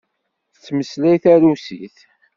Tettmeslay tarusit.